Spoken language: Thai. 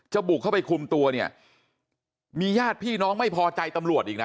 บุกเข้าไปคุมตัวเนี่ยมีญาติพี่น้องไม่พอใจตำรวจอีกนะ